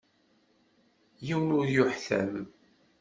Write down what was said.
Yiwen ur yuḥtam.